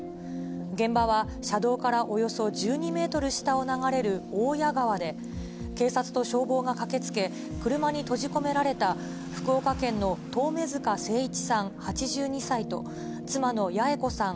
現場は車道からおよそ１２メートル下を流れる大矢川で、警察と消防が駆けつけ、車に閉じ込められた福岡県の遠目塚征一さん８２歳と、妻の八重子さん